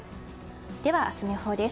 では、明日の予報です。